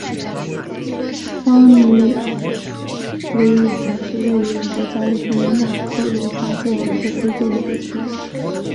邦妮维尤是位于美国加利福尼亚州科卢萨县的一个非建制地区。